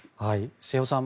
瀬尾さん